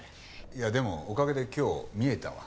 いやでもおかげで今日見えたわ。